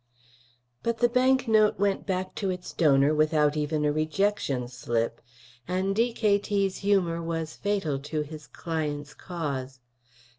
But the bank note went back to its donor without even a rejection slip; and D.K.T.'s humour was fatal to his client's cause.